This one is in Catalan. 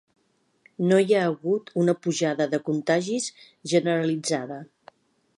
No hi ha hagut una pujada de contagis generalitzada.